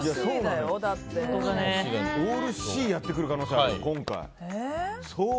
オールＣやってくる可能性あるから、今回。